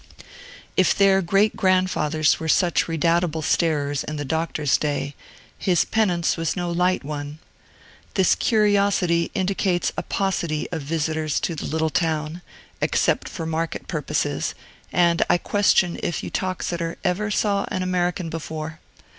If their great grandfathers were such redoubtable starers in the Doctor's day, his penance was no light one. This curiosity indicates a paucity of visitors to the little town, except for market purposes, and I question if Uttoxeter ever saw an American before.